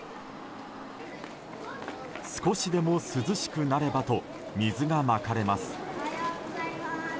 少しでも涼しくなればと水がまかれます。